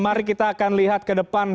mari kita akan lihat ke depan